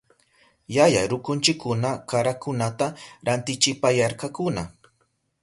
Yaya rukunchikuna karakunata rantichipayarkakuna.